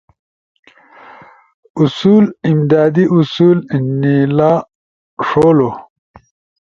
اصول، امدادی اصول نیلا ݜولو